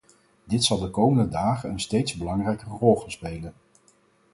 Dit zal de komende dagen een steeds belangrijker rol gaan spelen.